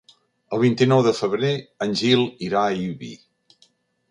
El vint-i-nou de febrer en Gil irà a Ibi.